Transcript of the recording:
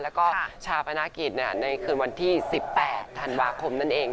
แล้วก็ชาปนากิจในคืนวันที่๑๘ธันวาคมนั่นเอง